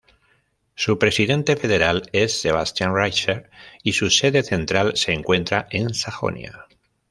Su presidente federal es Sebastian Richter y su sede central se encuentra en Sajonia.